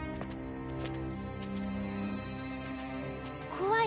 怖い？